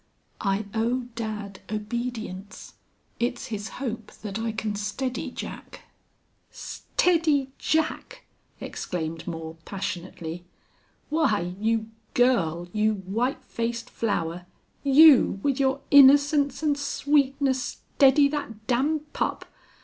"I owe dad obedience. It's his hope that I can steady Jack." "Steady Jack!" exclaimed Moore, passionately. "Why, you girl you white faced flower! You with your innocence and sweetness steady that damned pup!